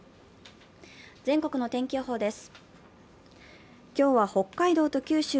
全国の天気予報です。